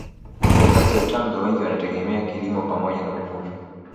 Wakazi wa Tanga wengi wanategemea kilimo pamoja na uvuvi